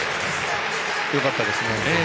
よかったですね。